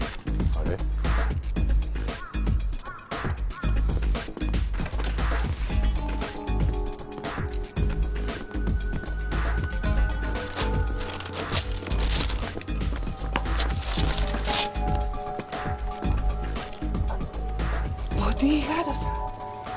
あっあのボディーガードさん？